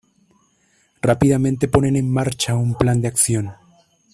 Rápidamente ponen en marcha un plan de acción.